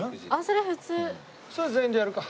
それ全員でやるか。